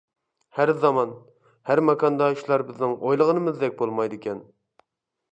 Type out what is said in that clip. ھەر زامان، ھەر ماكاندا ئىشلار بىزنىڭ ئويلىغىنىمىزدەك بولمايدىكەن!